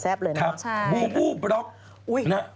สวัสดีค่ะ